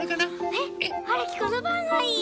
えっはるきこのパンがいい！